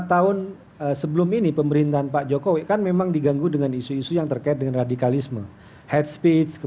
lima tahun sebelum ini pemerintahan pak jokowi kan memang diganggu dengan isu isu yang terkait dengan radikalisme head space